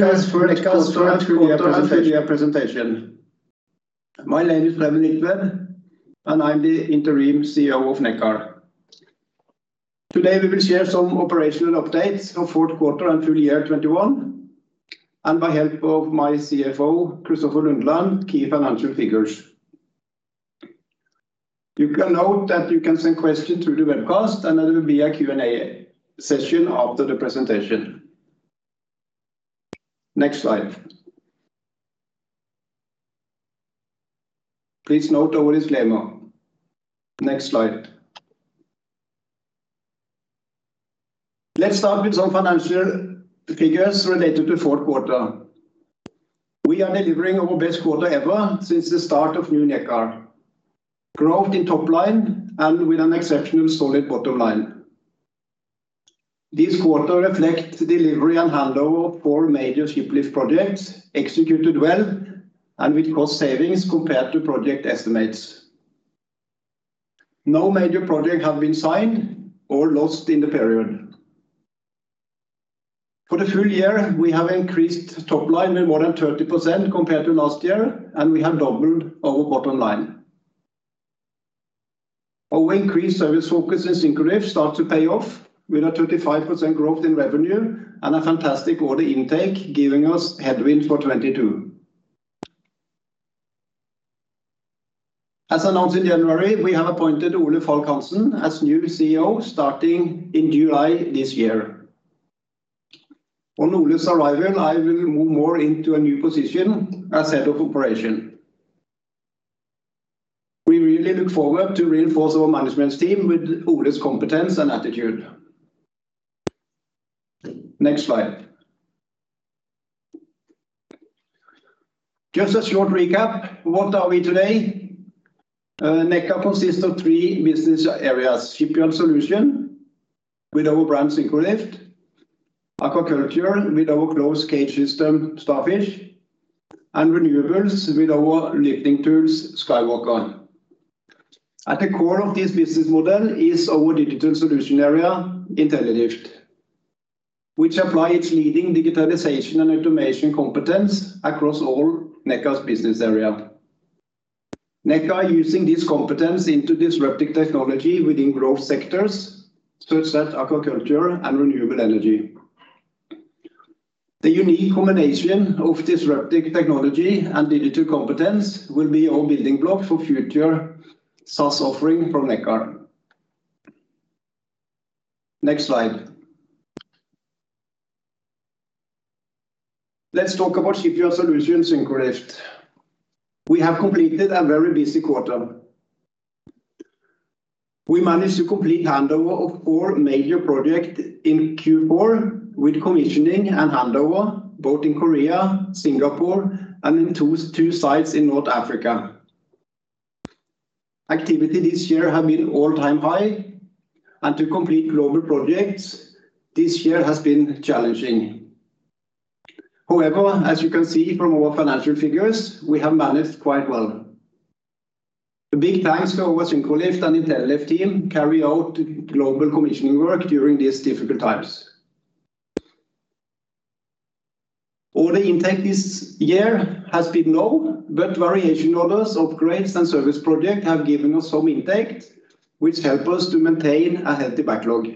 Thanks for the fourth quarter and full year presentation. My name is Preben Liltved, and I'm the Interim CEO of Nekkar. Today, we will share some operational updates for fourth quarter and full year 2021, and with the help of my CFO, Kristoffer Lundeland, key financial figures. Please note that you can send questions through the webcast, and there will be a Q&A session after the presentation. Next slide. Please note our disclaimer. Next slide. Let's start with some financial figures related to fourth quarter. We are delivering our best quarter ever since the start of new Nekkar. Growth in top line and with an exceptionally solid bottom line. This quarter reflects delivery and handover of four major ship lift projects executed well and with cost savings compared to project estimates. No major project have been signed or lost in the period. For the full year, we have increased top line with more than 30% compared to last year, and we have doubled our bottom line. Our increased service focus in Syncrolift starts to pay off with a 35% growth in revenue and a fantastic order intake, giving us tailwind for 2022. As announced in January, we have appointed Ole Falk-Hansen as new CEO starting in July this year. On Ole's arrival, I will move more into a new position as head of operation. We really look forward to reinforce our management team with Ole's competence and attitude. Next slide. Just a short recap. What are we today? Nekkar consists of three business areas: Shipyard Solution with our brand Syncrolift, Aquaculture with our closed cage system, Starfish, and Renewables with our lifting tools, SkyWalker. At the core of this business model is our digital solution area, Intellilift, which apply its leading digitalization and automation competence across all Nekkar's business area. Nekkar using this competence into disruptive technology within growth sectors such as aquaculture and renewable energy. The unique combination of disruptive technology and digital competence will be our building block for future SaaS offering from Nekkar. Next slide. Let's talk about Shipyard Solutions Syncrolift. We have completed a very busy quarter. We managed to complete handover of four major project in Q4 with commissioning and handover, both in Korea, Singapore, and in two sites in North Africa. Activity this year have been all-time high, and to complete global projects this year has been challenging. However, as you can see from our financial figures, we have managed quite well. A big thanks to our Syncrolift and Intellilift teams carrying out global commissioning work during these difficult times. Order intake this year has been low, but variation orders, upgrades, and service project have given us some intake, which helps us to maintain a healthy backlog.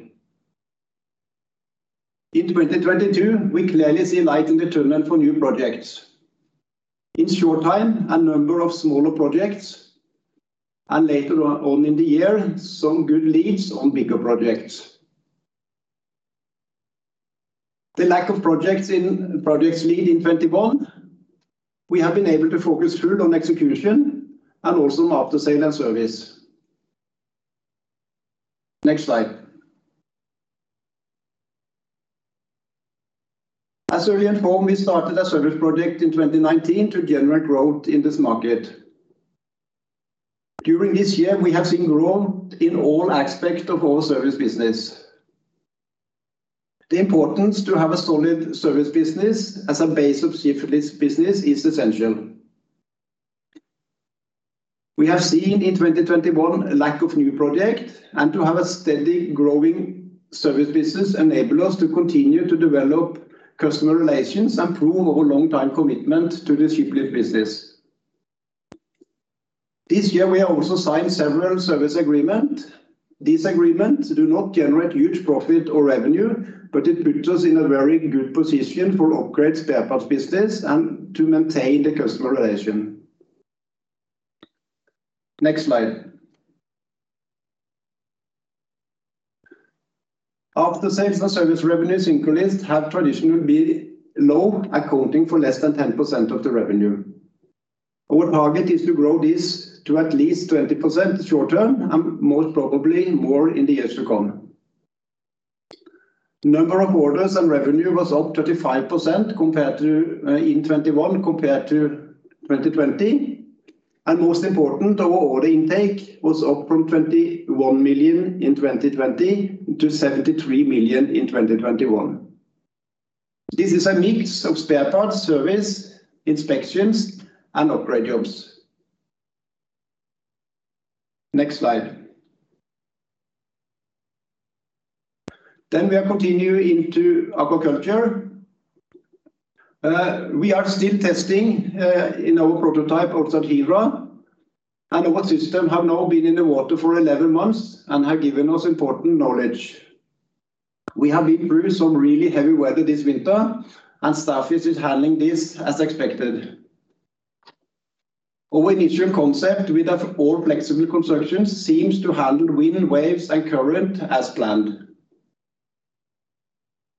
In 2022, we clearly see light in the tunnel for new projects. In a short time, a number of smaller projects, and later on in the year, some good leads on bigger projects. The lack of projects and project leads in 2021, we have been able to focus fully on execution and also after-sales and service. Next slide. As earlier informed, we started a service project in 2019 to generate growth in this market. During this year, we have seen growth in all aspects of our service business. The importance to have a solid service business as a base of shiplift business is essential. We have seen in 2021 a lack of new project, and to have a steady growing service business enable us to continue to develop customer relations and prove our long time commitment to the shiplift business. This year, we have also signed several service agreement. These agreements do not generate huge profit or revenue, but it puts us in a very good position for upgrade spare parts business and to maintain the customer relation. Next slide. After sales and service revenue, Syncrolift have traditionally been low, accounting for less than 10% of the revenue. Our target is to grow this to at least 20% short term and most probably more in the years to come. Number of orders and revenue was up 35% compared to in 2021 compared to 2020, and most important, our order intake was up from 21 million in 2020 to 73 million in 2021. This is a mix of spare parts, service, inspections, and upgrade jobs. Next slide. We are continue into aquaculture. We are still testing in our prototype outside Hidra, and our system have now been in the water for 11 months and have given us important knowledge. We have been through some really heavy weather this winter, and Starfish is handling this as expected. Our initial concept with a more flexible construction seems to handle wind, waves, and current as planned.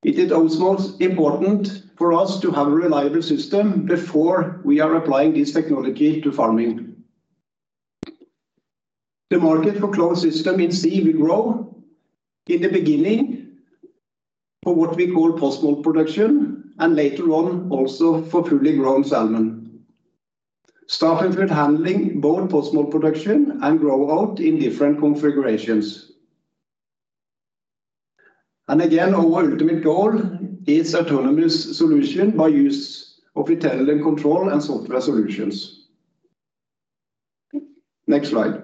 It is also important for us to have a reliable system before we are applying this technology to farming. The market for closed system in sea will grow in the beginning for what we call post-smolt production and later on also for fully grown salmon. Starfish is handling both post-smolt production and grow-out in different configurations. Again, our ultimate goal is autonomous solution by use of intelligent control and software solutions. Next slide.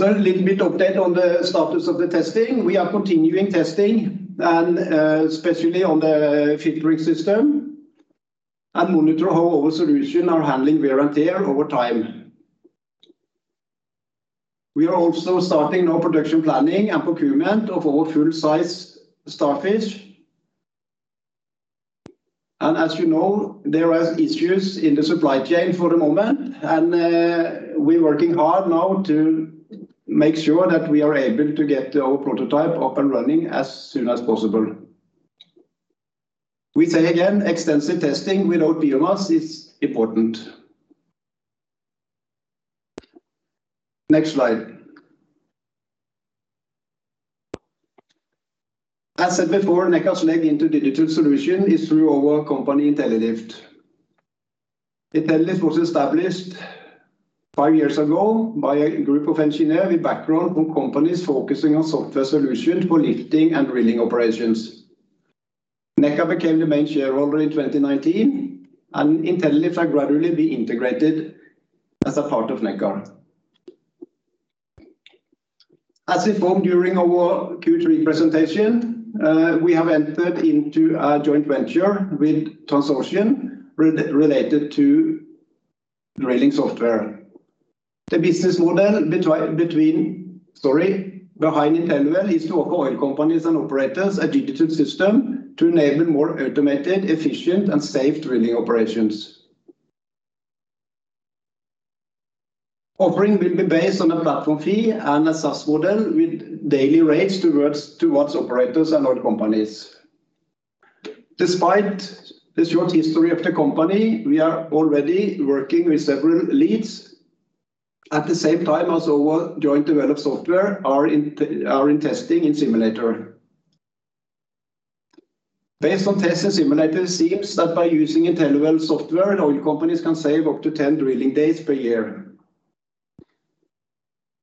A little bit update on the status of the testing. We are continuing testing and, especially on the filtering system and monitor how our solution are handling wear and tear over time. We are also starting now production planning and procurement of our full-size Starfish. As you know, there is issues in the supply chain for the moment, and, we're working hard now to make sure that we are able to get our prototype up and running as soon as possible. We say again, extensive testing without biomass is important. Next slide. As said before, Nekkar's leap into digital solution is through our company, Intellilift. Intellilift was established five years ago by a group of engineers with background from companies focusing on software solutions for lifting and drilling operations. Nekkar became the main shareholder in 2019, and Intellilift have gradually been integrated as a part of Nekkar. As informed during our Q3 presentation, we have entered into a joint venture with Transocean regarding drilling software. The business model behind InteliWell is to offer oil companies and operators a digital system to enable more automated, efficient, and safe drilling operations. Offering will be based on a platform fee and a SaaS model with daily rates towards operators and oil companies. Despite the short history of the company, we are already working with several leads. At the same time as our joint developed software are in testing in simulator. Based on tests in simulator, it seems that by using InteliWell software, oil companies can save up to 10 drilling days per year.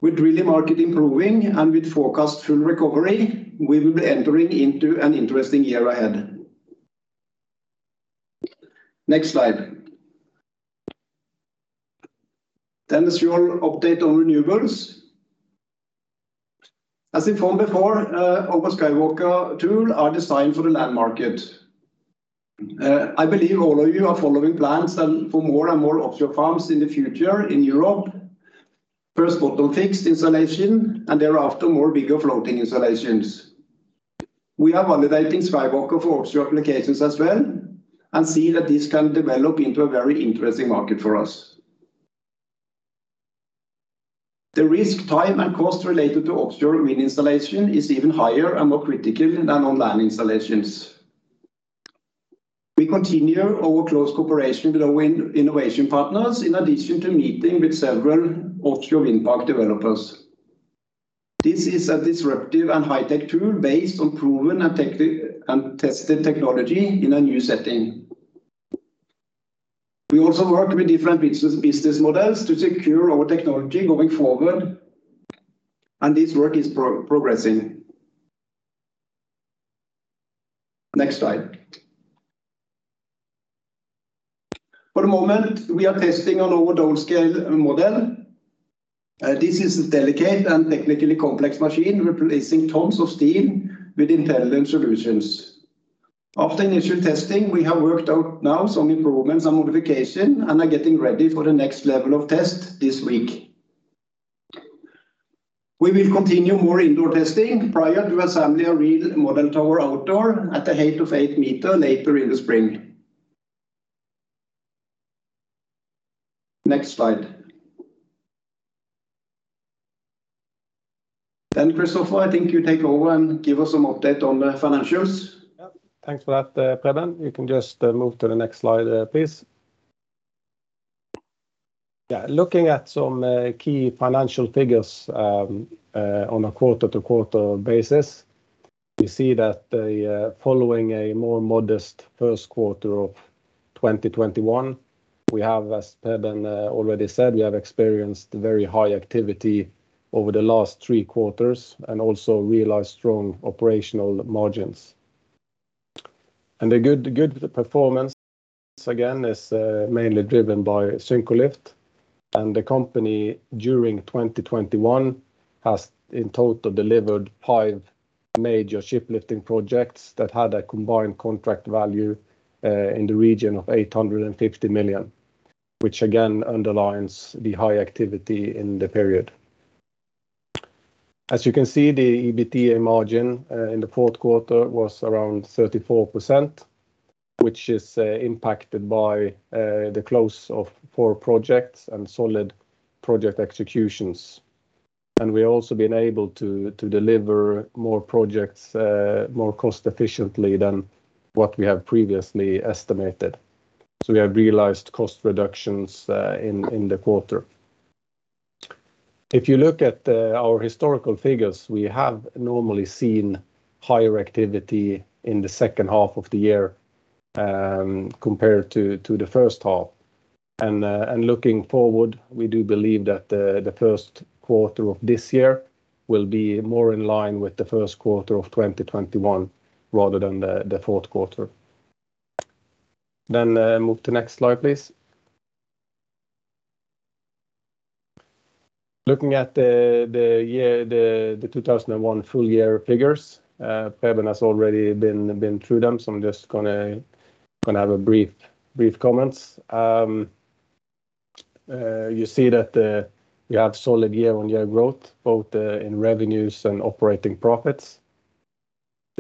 With drilling market improving and with forecast full recovery, we will be entering into an interesting year ahead. Next slide. As usual, update on renewables. As informed before, our SkyWalker tool are designed for the land market. I believe all of you are following plans and for more and more offshore farms in the future in Europe. First bottom-fixed installation, and thereafter, more bigger floating installations. We are validating SkyWalker for offshore applications as well and see that this can develop into a very interesting market for us. The risk, time, and cost related to offshore wind installation is even higher and more critical than on land installations. We continue our close cooperation with our wind innovation partners in addition to meeting with several offshore wind park developers. This is a disruptive and high-tech tool based on proven and tested technology in a new setting. We also work with different business models to secure our technology going forward, and this work is progressing. Next slide. For the moment, we are testing on our downscale model. This is a delicate and technically complex machine replacing tons of steel with intelligent solutions. After initial testing, we have worked out now some improvements and modification and are getting ready for the next level of test this week. We will continue more indoor testing prior to assembling a real model tower outdoors at a height of 8 meter later in the spring. Next slide. Kristoffer, I think you take over and give us some update on the financials. Yeah. Thanks for that, Preben. You can just move to the next slide, please. Yeah, looking at some key financial figures on a quarter-to-quarter basis, we see that following a more modest first quarter of 2021, we have, as Preben already said, we have experienced very high activity over the last three quarters and also realized strong operational margins. The good performance again is mainly driven by Syncrolift. The company during 2021 has in total delivered five major shiplifting projects that had a combined contract value in the region of 850 million, which again underlines the high activity in the period. As you can see, the EBITDA margin in the fourth quarter was around 34%, which is impacted by the close of four projects and solid project executions. We also been able to deliver more projects more cost efficiently than what we have previously estimated. We have realized cost reductions in the quarter. If you look at our historical figures, we have normally seen higher activity in the second half of the year compared to the first half. Looking forward, we do believe that the first quarter of this year will be more in line with the first quarter of 2021 rather than the fourth quarter. Move to next slide, please. Looking at the 2021 full year figures, Preben has already been through them, so I'm just gonna have a brief comment. You see that we have solid year-on-year growth both in revenues and operating profits.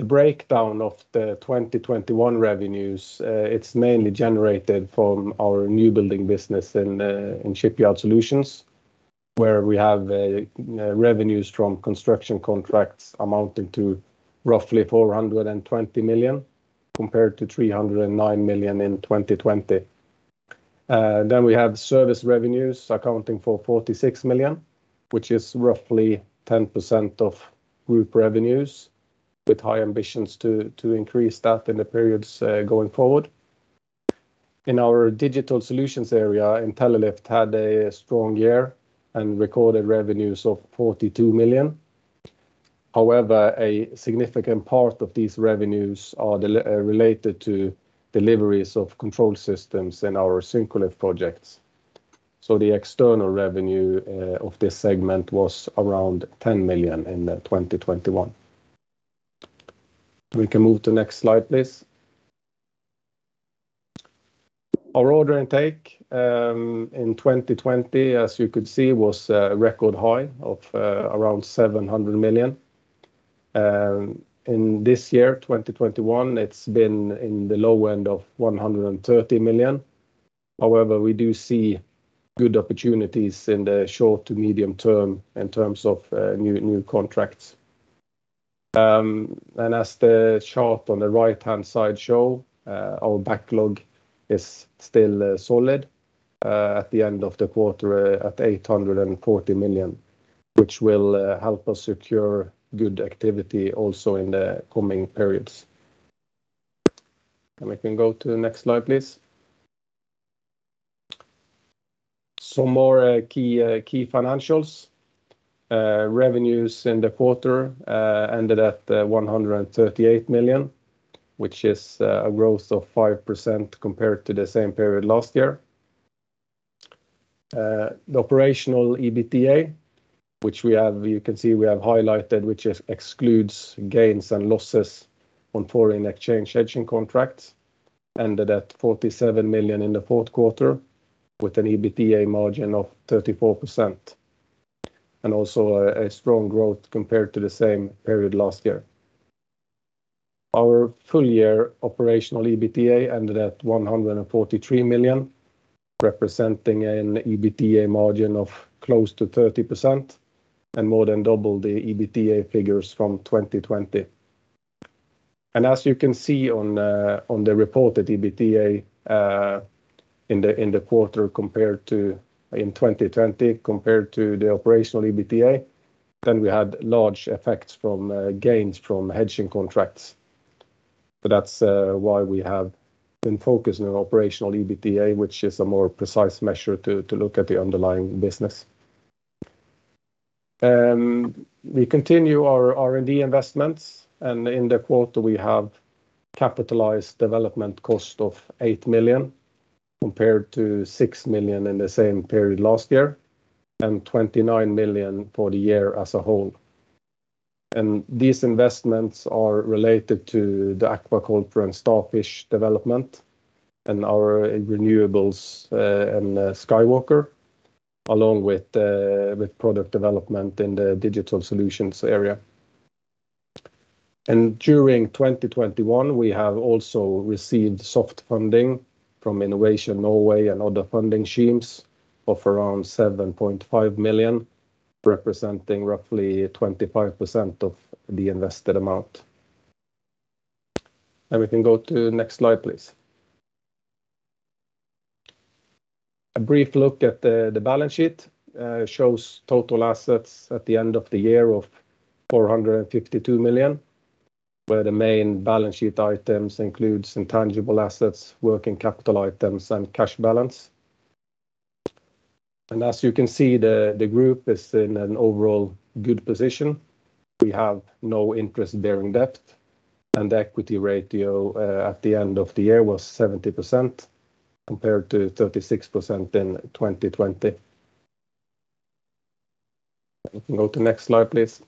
The breakdown of the 2021 revenues, it's mainly generated from our new building business in shipyard solutions, where we have revenues from construction contracts amounting to roughly 420 million compared to 309 million in 2020. We have service revenues accounting for 46 million, which is roughly 10% of group revenues with high ambitions to increase that in the periods going forward. In our digital solutions area, Intellilift had a strong year and recorded revenues of 42 million. However, a significant part of these revenues are related to deliveries of control systems in our Syncrolift projects. So the external revenue of this segment was around 10 million in 2021. We can move to next slide, please. Our order intake in 2020, as you could see, was record high of around 700 million. In this year, 2021, it's been in the low end of 130 million. However, we do see good opportunities in the short to medium term in terms of new contracts. As the chart on the right-hand side shows, our backlog is still solid at the end of the quarter at 840 million, which will help us secure good activity also in the coming periods. We can go to the next slide, please. Some more key financials. Revenues in the quarter ended at 138 million, which is a growth of 5% compared to the same period last year. The operational EBITDA, which we have, you can see we have highlighted, which excludes gains and losses on foreign exchange hedging contracts, ended at 47 million in the fourth quarter with an EBITDA margin of 34% and also a strong growth compared to the same period last year. Our full year operational EBITDA ended at 143 million, representing an EBITDA margin of close to 30% and more than double the EBITDA figures from 2020. As you can see on the reported EBITDA in the quarter compared to 2020 compared to the operational EBITDA, then we had large effects from gains from hedging contracts. That's why we have been focusing on operational EBITDA, which is a more precise measure to look at the underlying business. We continue our R&D investments, and in the quarter, we have capitalized development cost of 8 million compared to 6 million in the same period last year and 29 million for the year as a whole. These investments are related to the aquaculture and Starfish development and our renewables in SkyWalker, along with product development in the digital solutions area. During 2021, we have also received soft funding from Innovation Norway and other funding schemes of around 7.5 million, representing roughly 25% of the invested amount. We can go to next slide, please. A brief look at the balance sheet shows total assets at the end of the year of 452 million, where the main balance sheet items includes intangible assets, working capital items, and cash balance. As you can see, the group is in an overall good position. We have no interest-bearing debt, and equity ratio at the end of the year was 70% compared to 36% in 2020. We can go to next slide, please.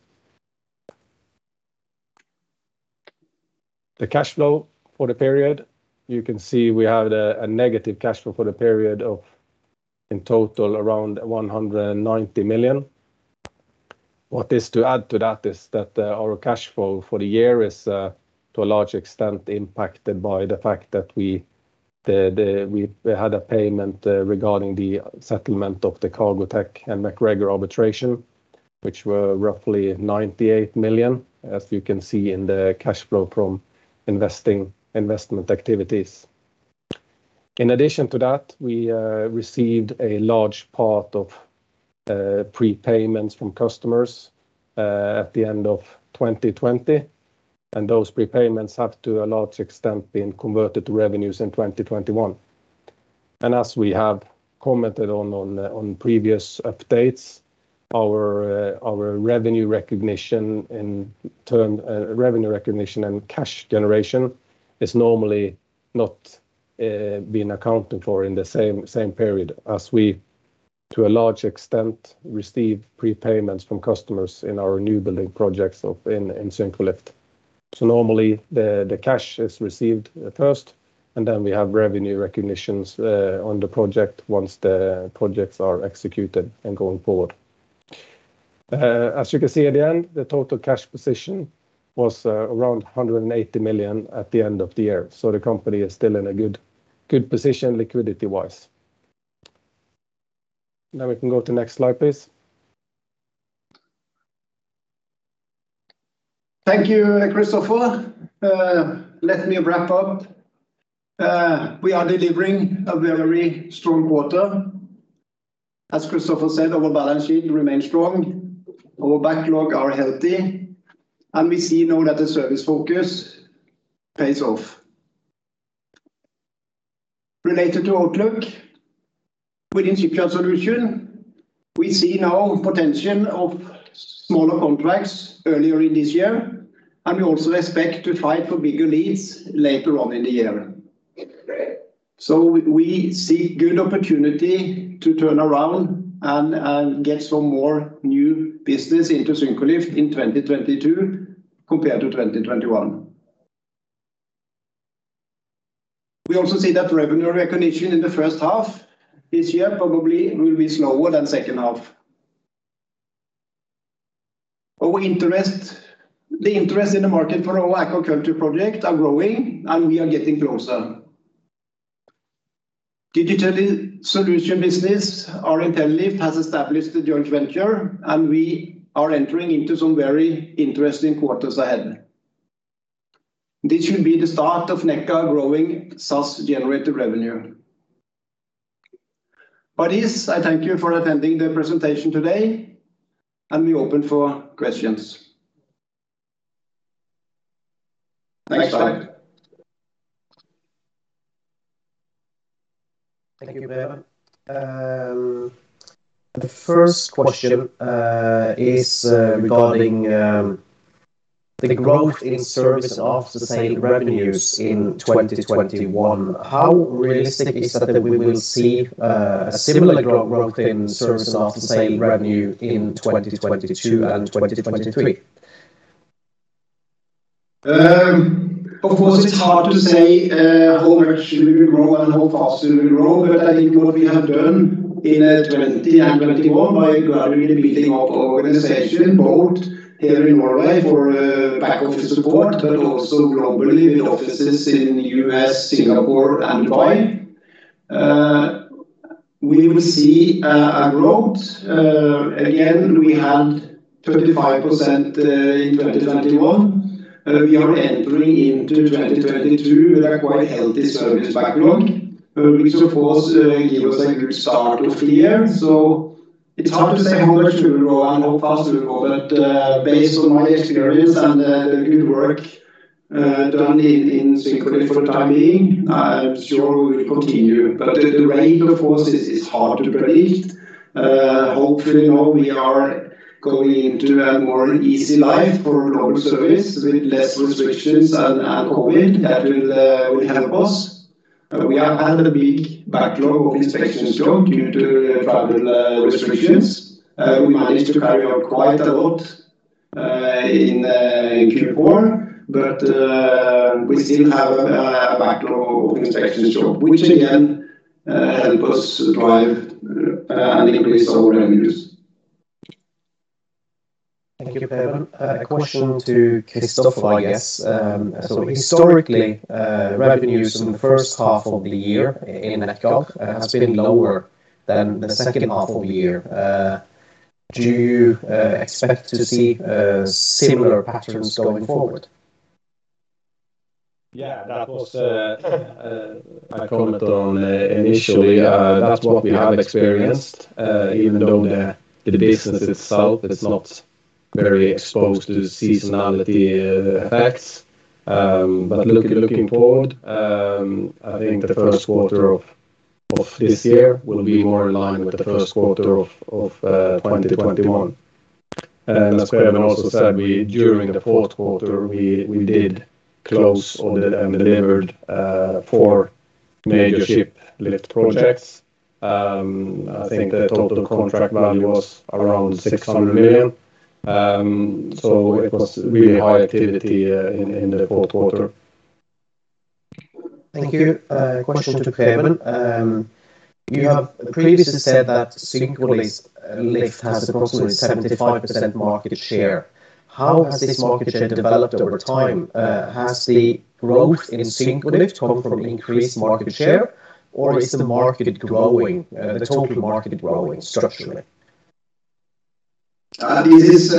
The cash flow for the period, you can see we had a negative cash flow for the period of, in total, around 190 million. What is to add to that is that our cash flow for the year is to a large extent impacted by the fact that we had a payment regarding the settlement of the Cargotec and MacGregor arbitration, which were roughly 98 million, as you can see in the cash flow from investment activities. In addition to that, we received a large part of prepayments from customers at the end of 2020, and those prepayments have to a large extent been converted to revenues in 2021. As we have commented on previous updates, our revenue recognition and cash generation is normally not being accounted for in the same period as we, to a large extent, receive prepayments from customers in our new building projects in Syncrolift. Normally the cash is received first, and then we have revenue recognitions on the project once the projects are executed and going forward. As you can see at the end, the total cash position was around 180 million at the end of the year. The company is still in a good position liquidity-wise. Now we can go to next slide, please. Thank you, Kristoffer. Let me wrap up. We are delivering a very strong quarter. As Kristoffer said, our balance sheet remains strong, our backlog are healthy, and we see now that the service focus pays off. Related to outlook, within Shipyard Solution, we see now potential of smaller contracts earlier in this year, and we also expect to fight for bigger leads later on in the year. We see good opportunity to turn around and get some more new business into Syncrolift in 2022 compared to 2021. We also see that revenue recognition in the first half this year probably will be slower than second half. The interest in the market for our aquaculture project are growing, and we are getting closer. Digital Solution business, our Intellilift has established a joint venture, and we are entering into some very interesting quarters ahead. This should be the start of Nekkar growing SaaS generated revenue. Yes, I thank you for attending the presentation today, and we open for questions. Next slide. Thank you, Preben. The first question is regarding the growth in service aftersale revenues in 2021. How realistic is it that we will see a similar growth in service aftersale revenue in 2022 and 2023? Of course, it's hard to say how much we will grow and how fast we will grow, but I think what we have done in 2020 and 2021 by gradually building up organization both here in Norway for back office support, but also globally with offices in U.S., Singapore and Dubai, we will see a growth. Again, we had 35% in 2021. We are entering into 2022 with a quite healthy service backlog, which of course give us a good start of the year. It's hard to say how much we will grow and how fast we will grow. Based on my experience and the good work done in Syncrolift for the time being, I'm sure we will continue. The rate of course is hard to predict. Hopefully now we are going into a more easy life for global service with less restrictions and COVID that will help us. We have had a big backlog of inspections job due to travel restrictions. We managed to carry out quite a lot in Q4, but we still have a backlog of inspections job, which again help us drive an increase of revenues. Thank you, Preben. A question to Kristoffer, I guess. Historically, revenues in the first half of the year in Nekkar has been lower than the second half of the year. Do you expect to see similar patterns going forward? Yeah. That was my comment on initially, that's what we have experienced. Even though the business itself is not Very exposed to the seasonality effects. Looking forward, I think the first quarter of this year will be more in line with the first quarter of 2021. As Preben also said, during the fourth quarter, we did close on and delivered four major ship lift projects. I think the total contract value was around 600 million. It was really high activity in the fourth quarter. Thank you. Question to Preben. You have previously said that Syncrolift has approximately 75% market share. How has this market share developed over time? Has the growth in Syncrolift come from increased market share, or is the market growing, the total market growing structurally? This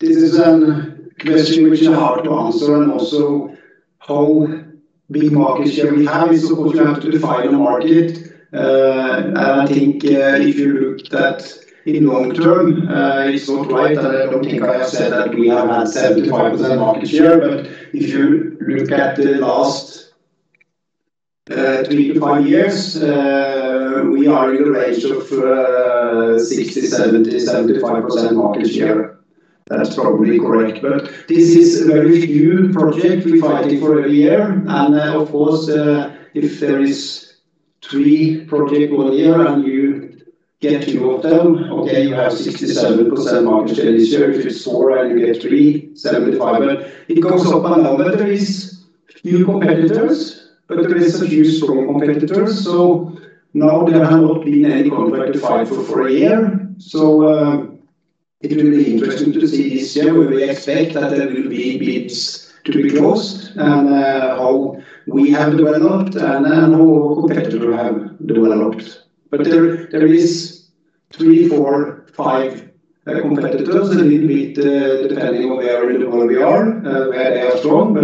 is a question which is hard to answer. Also how big market share we have is, of course, you have to define the market. I think if you looked at in long-term, it's not right. I don't think I have said that we have had 75% market share. If you look at the last three to five years, we are in the range of 60%, 70%, 75% market share. That's probably correct. This is very few projects we're fighting for every year. Of course, if there are three projects one year and you get two of them, okay, you have 67% market share this year. If it's four and you get three, 75%. It goes up and down. There are new competitors, but there are a few strong competitors. Now there have not been any contracts to fight for for a year. It will be interesting to see this year. We expect that there will be bids to be closed and how we have developed and how competitors have developed. There are three, four, five competitors a little bit, depending on where in the world we are, where they are strong.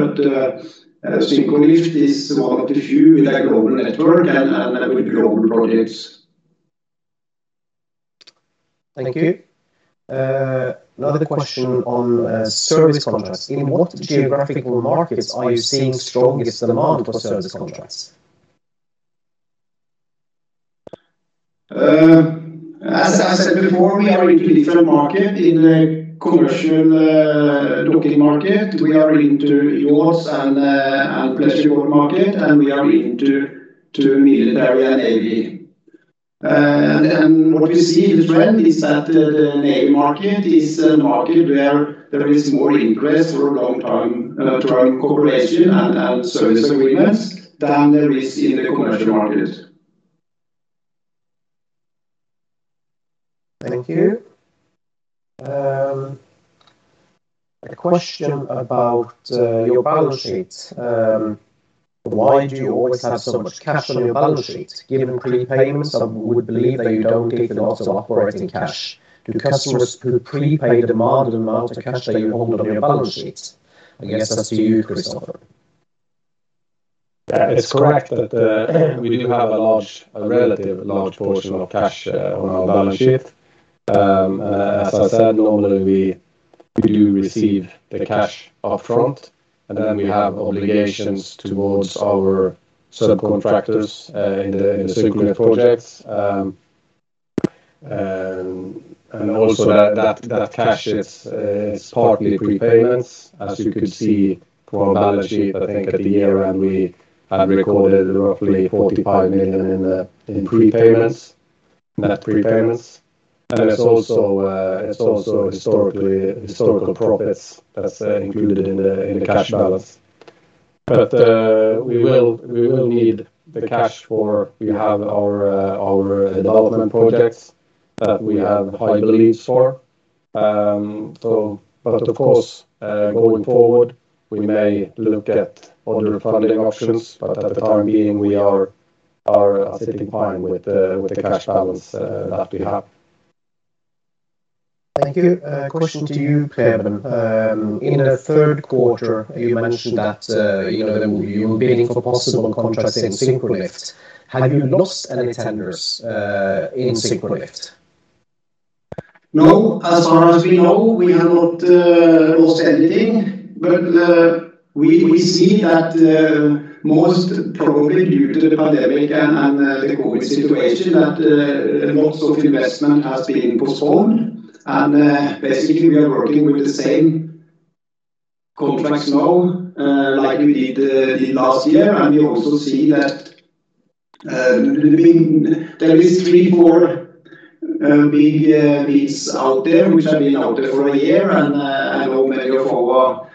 Syncrolift is one of the few with a global network and with global projects. Thank you. Another question on service contracts. In what geographical markets are you seeing strongest demand for service contracts? As I said before, we are into different market in the commercial docking market. We are into yachts and pleasure boat market, and we are into the military and navy. What we see in the trend is that the navy market is a market where there is more interest for long-term cooperation and service agreements than there is in the commercial market. Thank you. A question about your balance sheet. Why do you always have so much cash on your balance sheet? Given prepayments, I would believe that you don't need a lot of operating cash. Do customers who prepay demand an amount of cash that you hold on your balance sheet? I guess that's to you, Kristoffer. Yeah. It's correct. We do have a relatively large portion of cash on our balance sheet. As I said, normally we do receive the cash up front, and then we have obligations towards our subcontractors in the Syncrolift projects. Also that cash is partly prepayments, as you could see from our balance sheet. I think at the year-end, we had recorded roughly 45 million in prepayments, net prepayments. There's also historical profits that's included in the cash balance. We will need the cash, for we have our development projects that we have high beliefs for. Of course, going forward, we may look at other funding options, but at the time being, we are sitting fine with the cash balance that we have. Thank you. A question to you, Preben. In the third quarter, you mentioned that you were bidding for possible contracts in Syncrolift. Have you lost any tenders in Syncrolift? No. As far as we know, we have not lost anything. We see that most probably due to the pandemic and the COVID situation, that lots of investment has been postponed. Basically, we are working with the same contracts now like we did last year. We also see that there is three, four big bids out there which have been out there for a year. I know many of our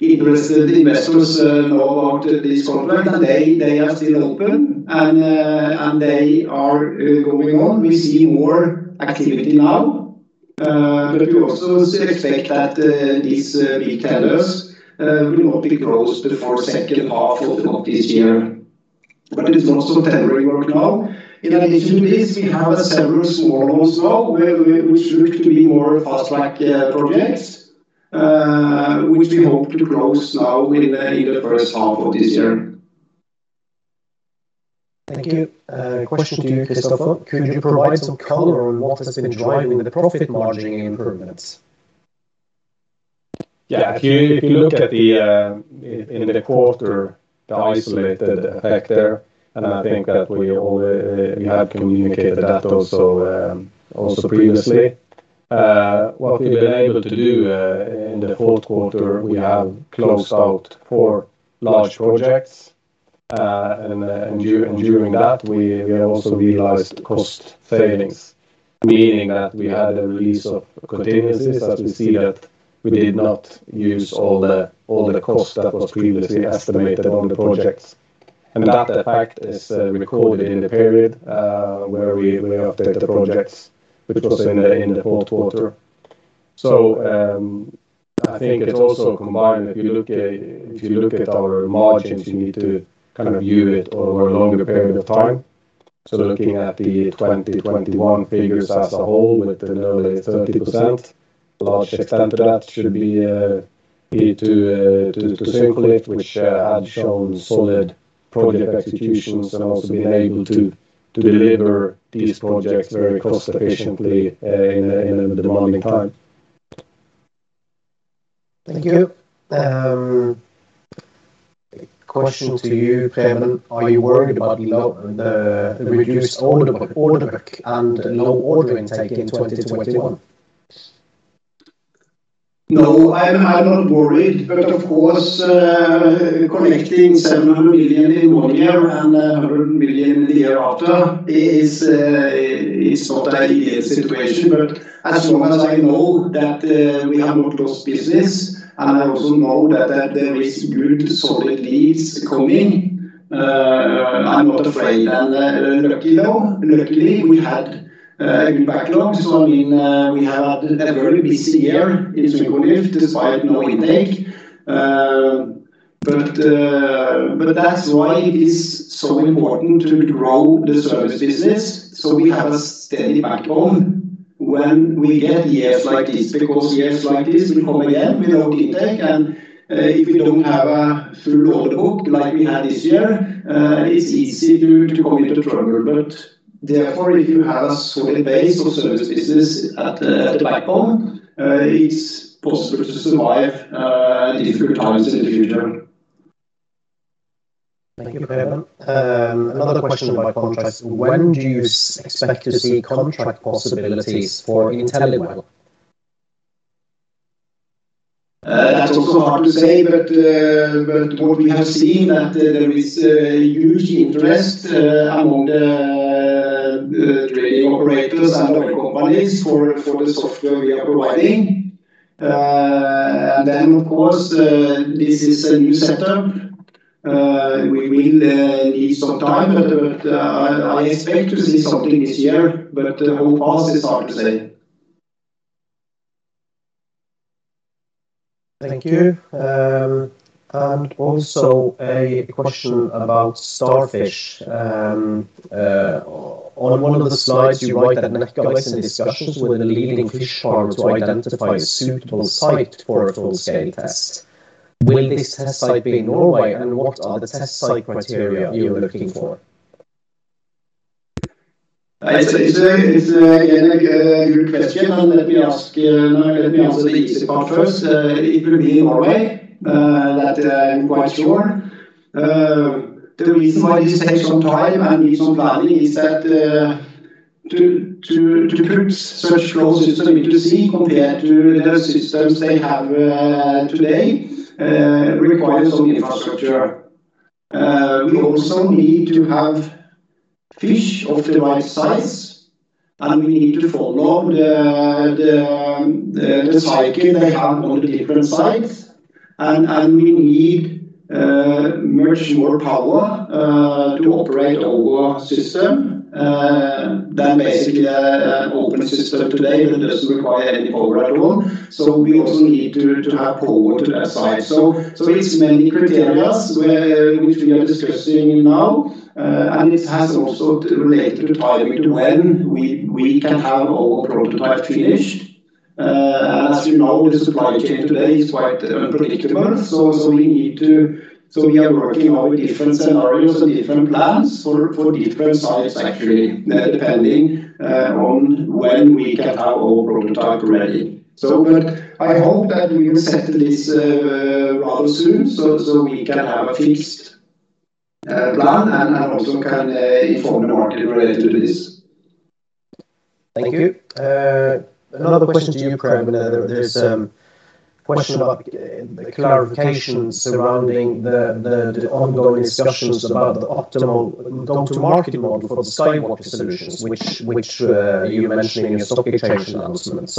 interested investors know about this contract, and they are still open, and they are going on. We see more activity now, but we also expect that these big tenders will not be closed before second half of this year. There's lots of tendering work now. In addition to this, we have several small ones now which look to be more fast like projects, which we hope to close now in the first half of this year. Thank you. Question to you, Kristoffer Lundeland: Could you provide some color on what has been driving the profit margin improvements? Yeah. If you look at the isolated effect in the quarter there, and I think that we have communicated that also previously. What we've been able to do in the fourth quarter, we have closed out four large projects. During that, we have also realized cost savings, meaning that we had a release of contingencies as we see that we did not use all the cost that was previously estimated on the projects. That effect is recorded in the period where we update the projects, which was in the fourth quarter. I think it's also combined. If you look at our margins, you need to kind of view it over a longer period of time. Looking at the 2021 figures as a whole with the nearly 30%, large extent of that should be to Syncrolift, which had shown solid project executions and also been able to deliver these projects very cost efficiently in a demanding time. Thank you. Question to you, Preben. Are you worried about the reduced order book and low order intake in 2021? No, I'm not worried. Of course, collecting 700 million in one year and 100 million in the year after is not an ideal situation. As long as I know that we have not lost business, and I also know that there is good solid leads coming, I'm not afraid. Luckily, we had a good backlog. I mean, we had a very busy year in Syncrolift despite no intake. But that's why it is so important to grow the service business, so we have a steady backbone when we get years like this, because years like this will come again without intake. If we don't have a full order book like we had this year, it's easy to come into trouble. Therefore, if you have a solid base of service business at the backbone, it's possible to survive difficult times in the future. Thank you, Preben. Another question by contrast: When do you expect to see contract possibilities for InteliWell? That's also hard to say. What we have seen that there is a huge interest among the drilling operators and oil companies for the software we are providing. Of course, this is a new setup. We will need some time, but I expect to see something this year, but how fast is hard to say. Thank you. Also a question about Starfish. On one of the slides, you write that Nekkar is in discussions with a leading fish farm to identify a suitable site for a full-scale test. Will this test site be in Norway? What are the test site criteria you're looking for? It's a good question. Let me answer the easy part first. It will be in Norway. That I'm quite sure. The reason why this takes some time and needs some planning is that to put such closed system into sea compared to the systems they have today requires some infrastructure. We also need to have fish of the right size, and we need to follow the cycle they have on the different sites. We need much more power to operate our system than basically the open system today that doesn't require any power at all. We also need to have power to that site. It's many criteria we're discussing now. It has also related to timing to when we can have our prototype finished. As you know, the supply chain today is quite unpredictable. We are working on different scenarios and different plans for different sites, actually, depending on when we can have our prototype ready. But I hope that we will settle this rather soon so we can have a fixed plan and also can inform the market related to this. Thank you. Another question to you, Preben. There's a question about clarification surrounding the ongoing discussions about the optimal go-to-market model for the SkyWalker solutions which you mentioned in your stock exchange announcement.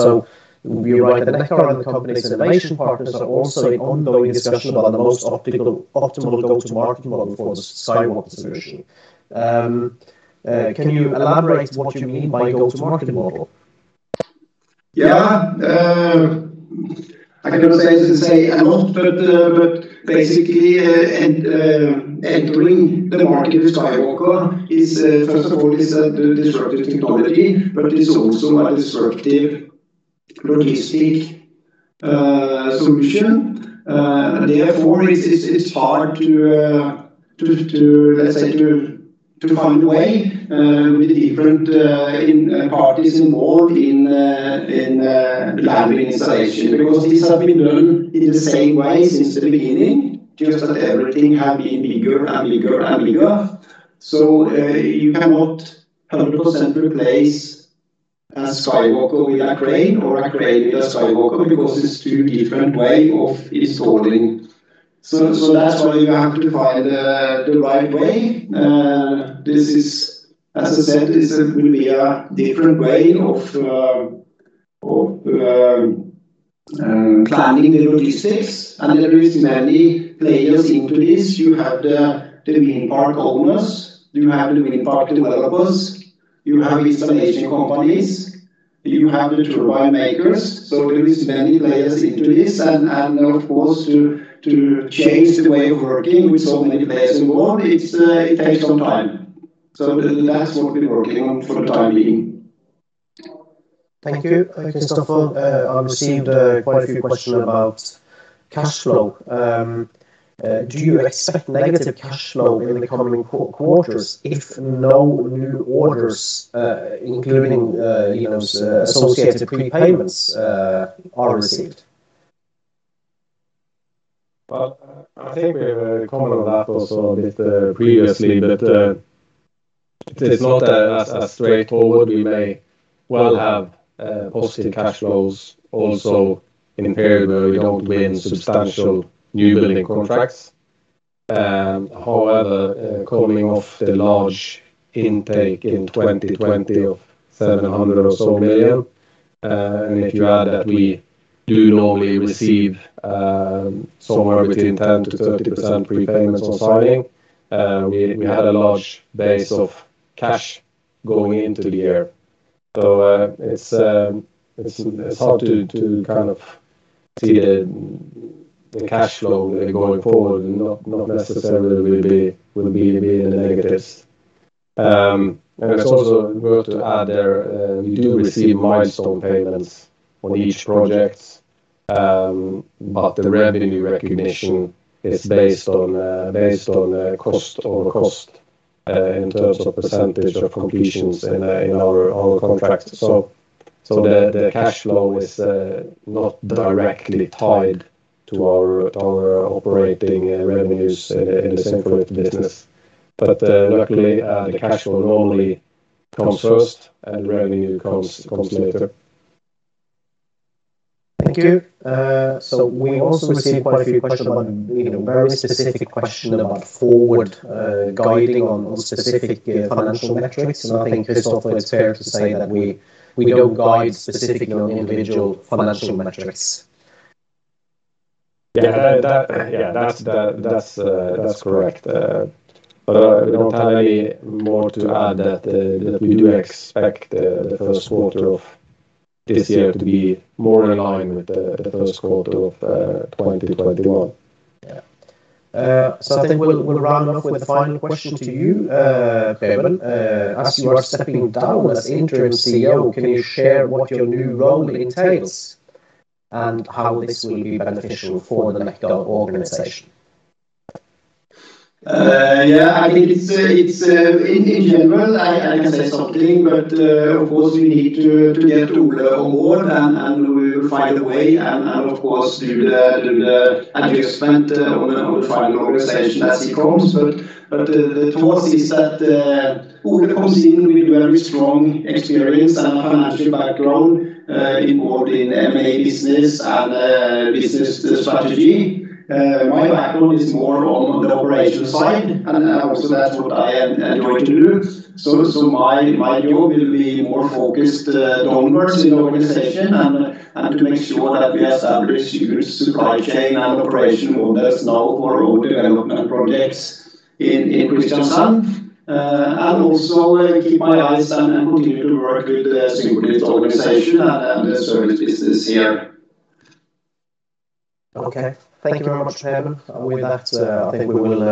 You write that Nekkar and the company's innovation partners are also in ongoing discussion about the optimal go-to-market model for the SkyWalker solution. Can you elaborate what you mean by go-to-market model? Yeah. I cannot say a lot, but basically, entering the market with SkyWalker is, first of all, it's a disruptive technology, but it's also a disruptive logistic solution. Therefore, it's hard to, let's say, find a way with different parties involved in planning installation. Because these have been done in the same way since the beginning, just that everything have been bigger and bigger and bigger. You cannot 100% replace a SkyWalker with a crane or a crane with a SkyWalker because it's two different way of installing. That's why you have to find the right way. This is. As I said, this will be a different way of planning the logistics. There is many players into this. You have the wind park owners. You have the wind park developers. You have installation companies. You have the turbine makers. There is many players into this. Of course, to change the way of working with so many players involved, it takes some time. That's what we're working on for the time being. Thank you. Kristoffer, I received quite a few questions about cash flow. Do you expect negative cash flow in the coming quarters if no new orders, including you know associated prepayments, are received? Well, I think we have commented on that also a bit previously. It is not as straightforward. We may well have positive cash flows also in a period where we don't win substantial new building contracts. However, coming off the large intake in 2020 of 700 million or so, and if you add that we do normally receive somewhere between 10%-30% prepayments on signing, we had a large base of cash going into the year. It's hard to kind of see the cash flow going forward, not necessarily will be in the negatives. It's also worth to add there, we do receive milestone payments on each project, but the revenue recognition is based on cost-to-cost in terms of percentage of completion in our contracts. The cash flow is not directly tied to our operating revenues in the Symferrit business. Luckily, the cash flow normally comes first and revenue comes later. Thank you. We also received quite a few questions about, you know, a very specific question about forward guidance on specific financial metrics. I think, Kristoffer, it's fair to say that we don't guide specifically on individual financial metrics. Yeah, that's correct. We don't have any more to add that we do expect the first quarter of this year to be more in line with the first quarter of 2021. I think we'll round off with a final question to you, Preben. As you are stepping down as Interim CEO, can you share what your new role entails and how this will be beneficial for the Nekkar organization? Yeah. I think it's in general I can say something, but of course, we need to get Ole on board, and we will find a way and of course do the adjustment on the final organization as he comes. The thought is that Ole comes in with very strong experience and a financial background involved in M&A business and business strategy. My background is more on the operations side, and also that's what I enjoy to do. My job will be more focused downwards in the organization and to make sure that we establish good supply chain and operation orders now for our development projects in Kristiansand. Keep an eye on and continue to work with the M&A organization and the service business here. Okay. Thank you very much, Preben. With that, I think we will